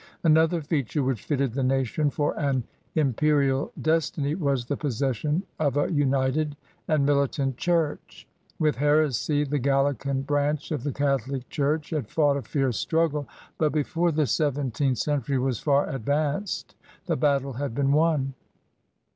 Another feature which fitted the nation for an imperial destiny was the possession of a united and militant church. With heresy the Gallican branch of the Catholic Chiux^ had fought a fierce struggle, but, before the seventeenth century was far advanced, the battle had been won.